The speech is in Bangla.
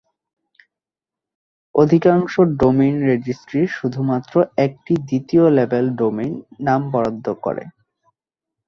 অধিকাংশ ডোমেইন রেজিস্ট্রি শুধুমাত্র একটি দ্বিতীয়-লেভেল ডোমেইন নাম বরাদ্দ করে।